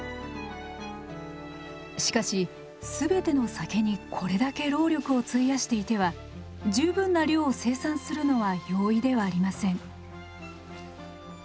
しかしすべての酒にこれだけ労力を費やしていては十分な量を生産するのは容易ではありません。